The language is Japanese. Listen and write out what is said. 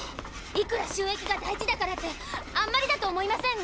いくら収益が大事だからってあんまりだと思いません？